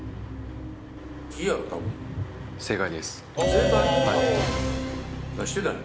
正解？